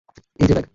এই যে ব্যাগ।